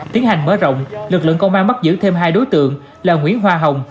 tiến hành mở rộng lực lượng công an bắt giữ thêm hai đối tượng là nguyễn hoa hồng